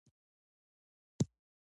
خو تاریخ هغه ته سزا ورکړه.